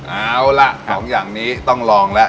เอาล่ะ๒อย่างนี้ต้องลองแล้ว